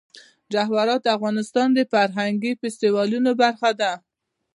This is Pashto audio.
جواهرات د افغانستان د فرهنګي فستیوالونو برخه ده.